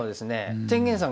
天元さん